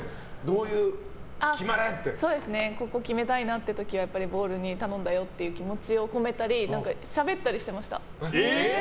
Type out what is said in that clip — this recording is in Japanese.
ここ決めたいなっていう時はボールに頼んだよって気持ちを込めたりしゃべったりしていました。